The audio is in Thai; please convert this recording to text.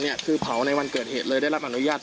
หมายถึงว่าตอนนั้นเราชนะสูบเสร็จแล้ว